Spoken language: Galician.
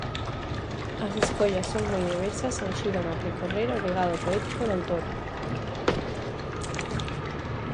As escollas son moi diversas e axudan a percorrer o legado poético da autora.